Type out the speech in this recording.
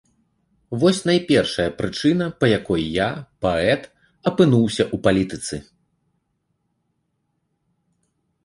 Вось найпершая прычына, па якой я, паэт, апынуўся ў палітыцы.